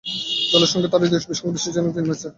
জলের সঙ্গে তাহার হৃদয়ের সঙ্গে বিশেষ যেন কী মিল ছিল।